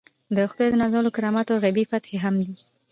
د خدای د نازولو کرامات او غیبي فتحې هم وي.